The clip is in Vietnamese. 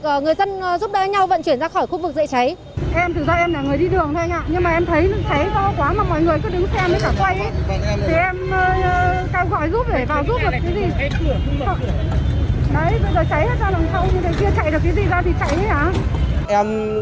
người dân giúp đỡ nhau vận chuyển ra khỏi khu vực dễ cháy